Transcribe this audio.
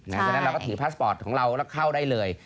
ฉะนั้นเราก็ถือพาสปอร์ตของเราแล้วเข้าได้เลย